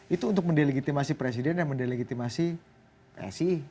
itu untuk mendelegitimasi presiden dan mendelegitimasi psi